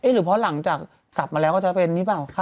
หรือเพราะหลังจากกลับมาแล้วก็จะเป็นนี่เปล่า